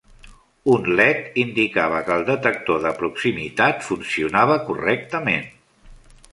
Un LED indicava que el detector de proximitat funcionava correctament.